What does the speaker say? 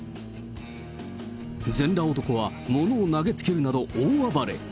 全裸男は物を投げつけるなど、大暴れ。